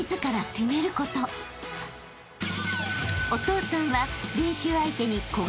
［お父さんは］